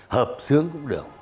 hợp xướng cũng được